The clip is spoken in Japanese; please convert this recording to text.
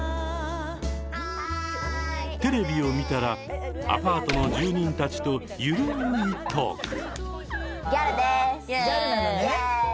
テレビを見たらアパートの住人たちと緩いトーク。